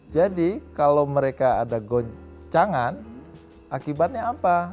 jadi kalau mereka ada goncangan akibatnya apa